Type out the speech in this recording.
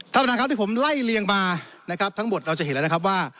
ท่านประธานครับที่ผมไล่เลียงมานะครับทั้งหมดเราจะเห็นแล้วนะครับว่า